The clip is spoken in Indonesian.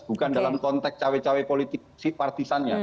bukan dalam konteks cawek cawek partisannya